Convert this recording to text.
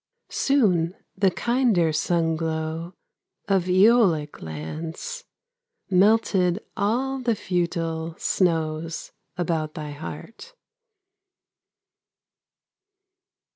Soon the kinder sunglow Of Æolic lands Melted all the futile Snows about thy heart.